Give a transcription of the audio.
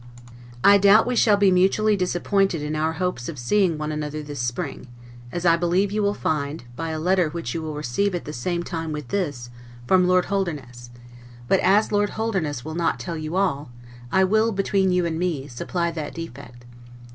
I doubt we shall be mutually disappointed in our hopes of seeing one another this spring, as I believe you will find, by a letter which you will receive at the same time with this, from Lord Holderness; but as Lord Holderness will not tell you all, I will, between you and me, supply that defect.